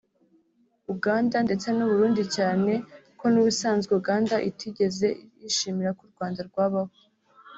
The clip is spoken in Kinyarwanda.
Uganda ndetse n’u Burundi cyane ko n’ubusanzwe Uganda itigeze yishimira ko u Rwanda rwabaho